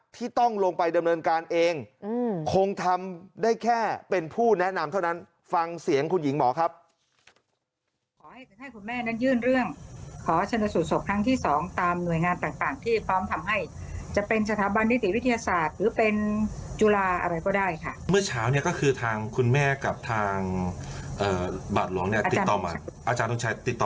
ต้องลงไปดำเนินการเองอืมคงทำได้แค่เป็นผู้แนะนำเท่านั้นฟังเสียงคุณหญิงหมอครับขอให้คุณแม่นั้นยื่นเรื่องขอชนสูตรศพครั้งที่สองตามหน่วยงานต่างต่างที่พร้อมทำให้จะเป็นสถาบันนิติวิทยาศาสตร์หรือเป็นจุฬาอะไรก็ได้ค่ะเมื่อเช้าเนี่ยก็คือทางคุณแม่กับทางเอ่อบาดหลวงเนี่